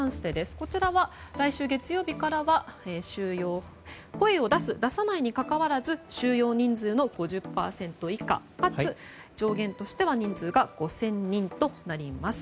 こちらは来週月曜日からは声を出す出さないにかかわらず収容人数の５０％以下かつ上限としては人数が５０００人となります。